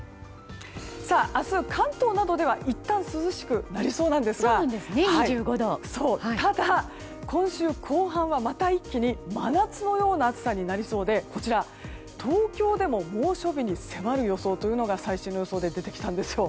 明日、関東などではいったん涼しくなりそうなんですがただ、今週後半はまた一気に真夏のような暑さになりそうで東京でも猛暑日に迫る予想というのが最新の予想で出てきたんですよ。